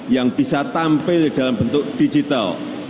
yang bisa tampil dalam bentuk digital